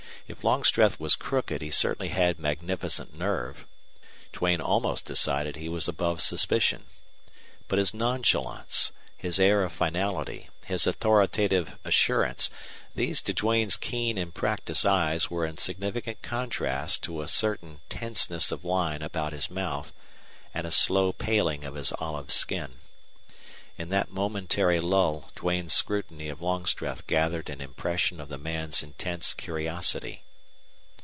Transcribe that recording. If Longstreth was crooked he certainly had magnificent nerve. Duane almost decided he was above suspicion. But his nonchalance, his air of finality, his authoritative assurance these to Duane's keen and practiced eyes were in significant contrast to a certain tenseness of line about his mouth and a slow paling of his olive skin. In that momentary lull Duane's scrutiny of Longstreth gathered an impression of the man's intense curiosity.